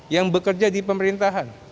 yang bekerja di pemerintahan